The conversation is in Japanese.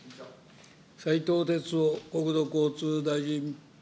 斉藤鉄夫国土交通大臣。